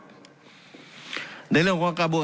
การปรับปรุงทางพื้นฐานสนามบิน